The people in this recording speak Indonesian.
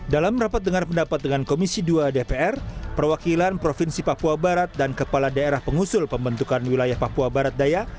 dalam rapat dengar pendapat dengan komisi dua dpr perwakilan provinsi papua barat dan kepala daerah pengusul pembentukan wilayah papua barat daya